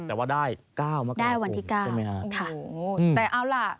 แต่ว่าได้๙มกราคมใช่ไหมฮะโอ้โหแต่เอาล่ะ